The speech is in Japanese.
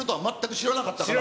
知らなかったです。